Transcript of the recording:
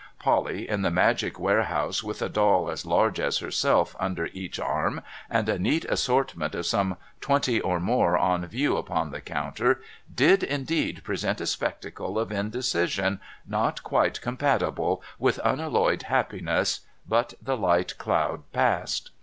Polly in the magic warehouse, with a doll as large as herself under each arm, and a neat assortment of some twenty more on view upon the counter, did indeed present a spectacle of indecision not quite compatible with unalloyed happiness, but the light cloud passed.